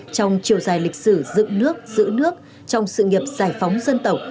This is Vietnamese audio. trong chiều dài lịch sử dựng nước giữ nước trong sự nghiệp giải phóng dân tộc